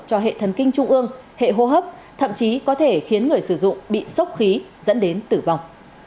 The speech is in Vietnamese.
cho hệ thần kinh trung ương hệ hô hấp thậm chí có thể khiến người sử dụng bị sốc khí dẫn đến tử vong